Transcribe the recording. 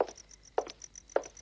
waktunya makan pak